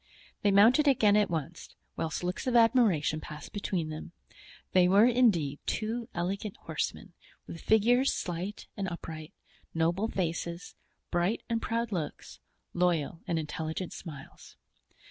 They mounted again at once, whilst looks of admiration passed between them. They were indeed two elegant horsemen, with figures slight and upright, noble faces, bright and proud looks, loyal and intelligent smiles.